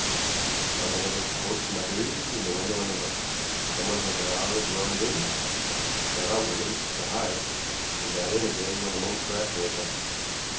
I found another support to my theory in the window on the roof. Someone had got out as well as in got out, Wigan, to hide, and got in again when the moment for action had come."